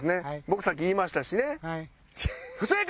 僕さっき言いましたしね。